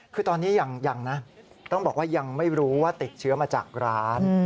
คือตอนนี้ยังนะต้องบอกว่ายังไม่รู้ว่าติดเชื้อมาจากร้าน